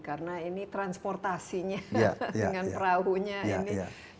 karena ini transportasinya dengan perahunya ini